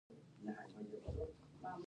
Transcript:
هغه د سرود په بڼه د مینې سمبول جوړ کړ.